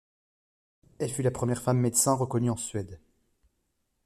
Elle fut la première femme médecin reconnue en Suède.